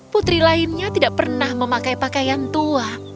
putri lainnya tidak pernah memakai pakaian tua